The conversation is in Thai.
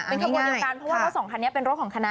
เพราะว่าข้างสองครั้นเป็นรถของคณะ